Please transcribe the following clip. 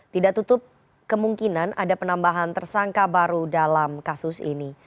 tidak tutup kemungkinan ada penambahan tersangka baru dalam kasus ini